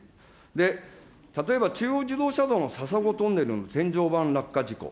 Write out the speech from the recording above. で、例えば中央自動車道のささごトンネルの天井板落下事故。